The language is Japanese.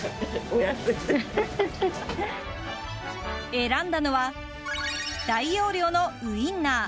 選んだのは大容量のウインナー。